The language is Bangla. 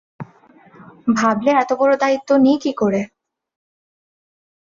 ভাবলে এতবড়ো দায়িত্ব নিই কী করে?